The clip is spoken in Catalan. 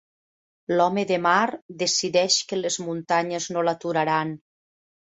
L'home de mar decideix que les muntanyes no l'aturaran.